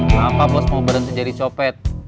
kenapa bos mau berhenti jadi copet